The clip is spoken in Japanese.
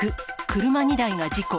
車２台が事故。